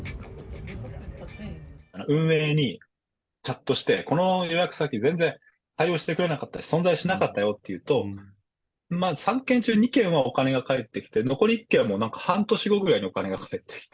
運営に、チャットしてこの予約先、全然対応してくれなかった、存在してなかったよっていうと、３件中２件はお金が返ってきて、残り１件はなんか半年後ぐらいにお金が返ってきて。